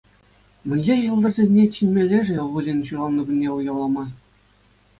Мӗнле ҫӑлтӑрсене чӗнмелле-ши ывӑлӗн ҫуралнӑ кунне уявлама?